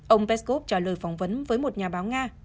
ông peskov trả lời phỏng vấn với một nhà báo nga